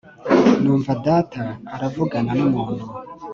numva data aravugana n’umuntu